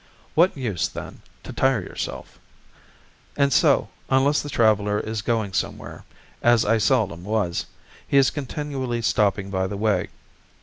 What use, then, to tire yourself? And so, unless the traveler is going somewhere, as I seldom was, he is continually stopping by the way.